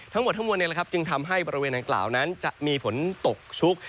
ทั้งหมดทั้งมวลจึงทำให้บริเวณดังกล่าวนั้นจะมีฝนตกชุก